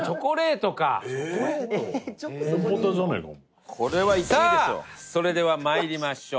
トシ：さあ、それでは参りましょう。